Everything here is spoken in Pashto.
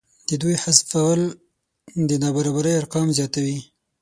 د دوی حذفول د نابرابرۍ ارقام زیاتوي